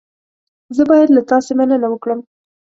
زه باید له تاسې مننه وکړم.